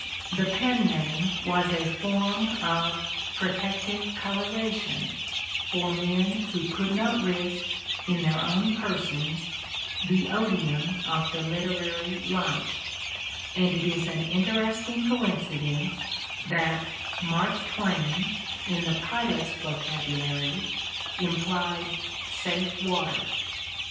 The pen name was a form of "protective coloration" for men who could not risk, in their own persons, the odium of the literary life, and it is an interesting coincidence that "Mark Twain," in the pilot's vocabulary, implied "safe water."